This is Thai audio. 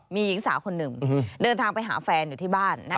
มีหญิงสาวคนหนึ่งเดินทางไปหาแฟนอยู่ที่บ้าน